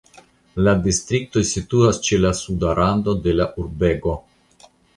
La distrikto situas ĉe la suda rando de la urbego.